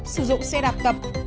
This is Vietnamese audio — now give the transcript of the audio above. sử dụng xe đạp tập